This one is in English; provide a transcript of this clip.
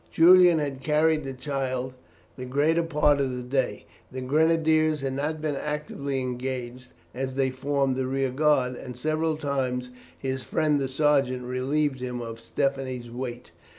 Julian had carried the child the greater part of the day. The grenadiers had not been actively engaged, as they formed the rear guard, and several times his friend the sergeant relieved him of Stephanie's weight.